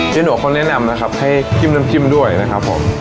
จะโดยคนแนะนำนะครับให้กินน้ำจิ้มด้วยนะครับผม